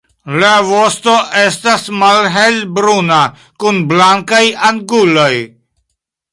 La vosto estas malhelbruna kun blankaj anguloj.